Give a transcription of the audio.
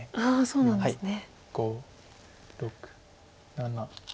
そうなんですね。